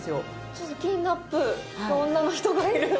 ちょっとピンナップの女の人がいる。